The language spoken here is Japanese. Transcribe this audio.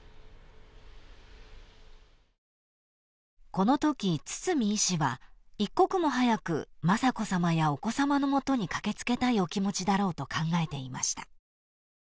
［このとき堤医師は一刻も早く雅子さまやお子さまの元に駆け付けたいお気持ちだろうと考えていました］